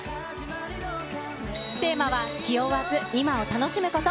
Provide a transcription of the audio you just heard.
テーマは、気負わず、今を楽しむこと。